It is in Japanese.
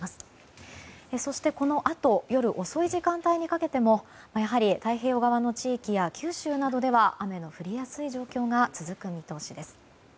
そして、このあと夜遅い時間帯にかけてもやはり太平洋側の地域や九州などでは雨の降りやすい状況が続く見通しです。